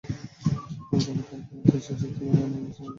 তবে তারা ক্ষমতায় এসে চুক্তি মেনে নেয় এবং বাস্তবায়নের অঙ্গীকার করে।